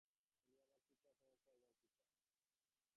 উনি আমার টীচার এবং চমৎকার একজন টীচার!